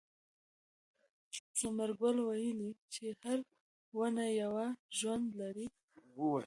ثمر ګل وویل چې هره ونه یو ژوند لري.